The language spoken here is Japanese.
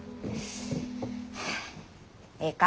ええか？